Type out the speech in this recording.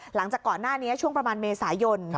หลังจากก่อนหน้านี้ช่วงประมาณเมษายน